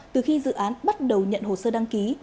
từ khi dự án bắt đầu nhận hồ sơ đăng ký